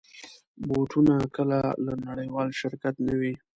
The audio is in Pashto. بوټونه کله له نړېوال شرکت نه وي.